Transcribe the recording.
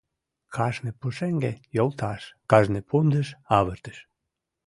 Кажне пушеҥге — йолташ, кажне пундыш — авыртыш.